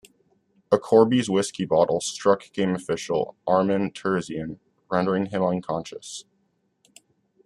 A Corby's Whiskey bottle struck game official, Armen Terzian, rendering him unconscious.